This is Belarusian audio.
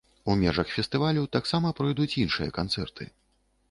У межах фестывалю таксама пройдуць іншыя канцэрты.